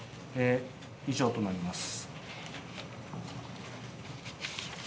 以上となります。